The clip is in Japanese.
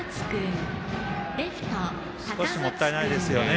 少しもったいないですよね。